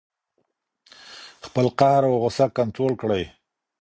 خپل قهر او غوسه کنټرول کړئ.